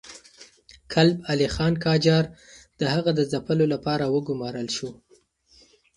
کلب علي خان قاجار د هغه د ځپلو لپاره وګمارل شو.